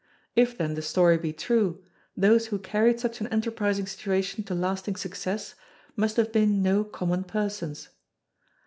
If then the story be true, those who carried such an enterprising situation to lasting success, must have been no common persons.